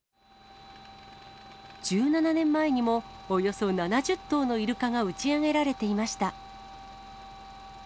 １７年前にも、およそ７０頭のイルカが打ち上げられていました。